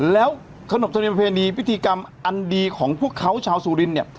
แล้วขนบธรรมเนียมประเพณีพิธีกรรมอันดีของพวกเขาชาวสุรินเนี่ย